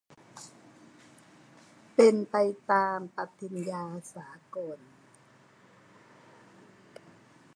เป็นไปตามปฏิญญาสากล